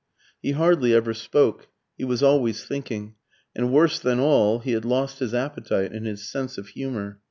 He hardly ever spoke; he was always thinking. And worse than all, he had lost his appetite and his sense of humour.